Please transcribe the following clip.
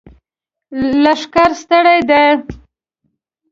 لښکر ستړی دی!